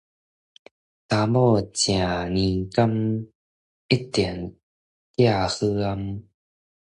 查某食年柑，一定嫁好翁